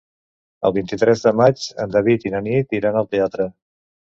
El vint-i-tres de maig en David i na Nit iran al teatre.